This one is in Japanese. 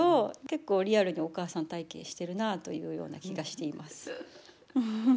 結構リアルにお母さん体験してるなというような気がしています。